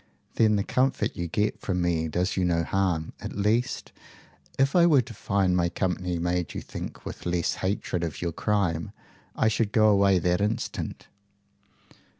"Then the comfort you get from me does you no harm, at least. If I were to find my company made you think with less hatred of your crime, I should go away that instant."